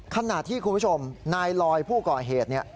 ขณะที่คุณผู้ชมนายลอยผู้ก่อเหตุเนี่ย